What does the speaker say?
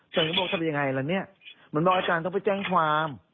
ฉันก็บอกทำยังไงล่ะเนี่ยเหมือนบอกอาจารย์ต้องไปแจ้งความ